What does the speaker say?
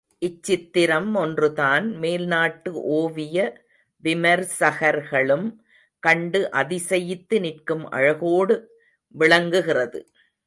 இச்சித்திரம் ஒன்றுதான் மேல்நாட்டு ஓவிய விமர்சகர்களும் கண்டு அதிசயித்து நிற்கும் அழகோடு விளங்குகிறது.